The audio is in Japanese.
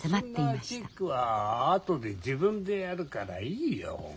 そんなチェックは後で自分でやるからいいよ。